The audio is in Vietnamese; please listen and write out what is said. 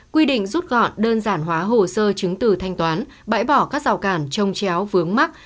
một mươi một quy định rút gọn đơn giản hóa hồ sơ chứng từ thanh toán bãi bỏ các rào cản trông chéo vướng mắt